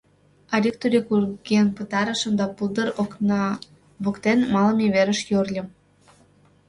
Арик-турик урген пытарышым да пулдыр окна воктен малыме верыш йӧрльым.